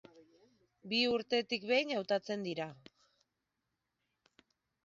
Bi urtetik behin hautatzen dira.